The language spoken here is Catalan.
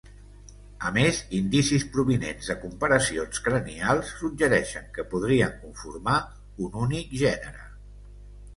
A més, indicis provinents de comparacions cranials suggereixen que podrien conformar un únic gènere.